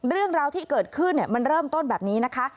เรื่องราวที่เกิดขึ้นมันเริ่มต้นแบบนี้นะคะ